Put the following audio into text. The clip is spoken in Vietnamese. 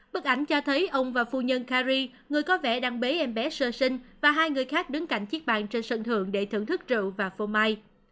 bức ảnh cho thấy ông và phu nhân kari người có vẻ đang bế em bé sơ sinh và hai người khác đứng cạnh chiếc bàn trên sân thượng để thưởng thức rượu và phô mai